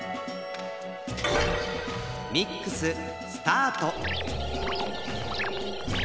ミックススタート！